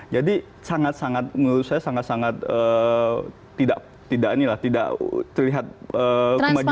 jadi menurut saya sangat sangat tidak terlihat kemajuan